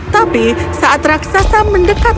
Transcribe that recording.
tapi saat raksasa mendekat